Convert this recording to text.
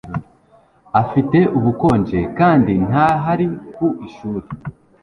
Afite ubukonje kandi ntahari ku ishuri